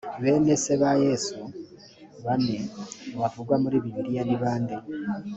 bene se ba yesu bane bavugwa muri bibiliya ni bande